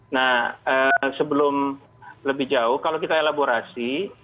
nah sebelum lebih jauh kalau kita elaborasi